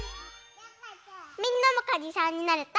みんなもかにさんになれた？